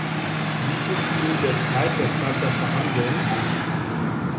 Wie ist nun derzeit der Stand der Verhandlungen?